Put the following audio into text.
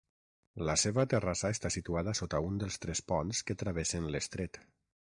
La seva terrassa està situada sota un dels tres ponts que travessen l'estret.